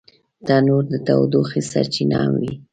تنور د تودوخې سرچینه هم وي